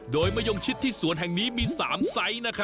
โดยมะย่องชิดที่สวนแห่งนี้มีสามไซต์นะครับ